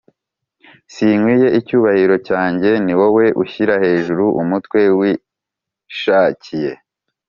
Snkwiye icyubahiro cyanjye ni wowe ushyira hejuru umutwe wishakiye